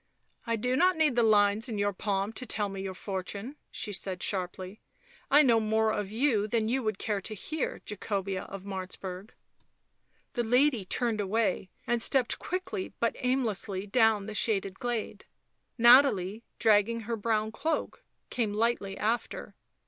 <( I do not need the lines in your palm to tell me your fortune," she said sharply. " I know more of you than you would care to hear, Jacobea of Martzburg." The lady turned away and stepped quickly but aimlessly down the shaded glade. Nathalie, dragging her brown cloak, came lightly after.